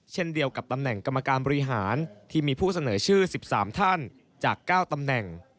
เช่นเดียวกับตำแหน่งกรรมการบริหารที่มีผู้เสนอชื่อ๑๓ท่านจาก๙ตำแหน่ง